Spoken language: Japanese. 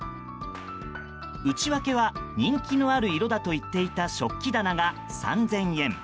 内訳は人気のある色だと言っていた食器棚が３０００円。